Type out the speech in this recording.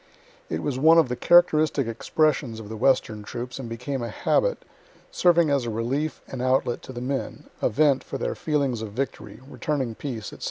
It was one of the characteristic expressions of the western troops, and became a habit, serving as a relief and outlet to the men a vent for their feelings of victory, returning peace, &c.